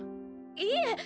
いえ。